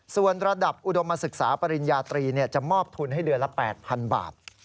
ส่วนระดับอุดมศึกษาปริญญาตรีจะมอบทุนให้เดือนละ๘๐๐๐บาท